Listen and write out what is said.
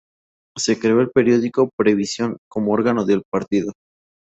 Se creó el periódico "Previsión" como órgano del partido.